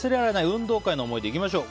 運動会の思い出いきましょう。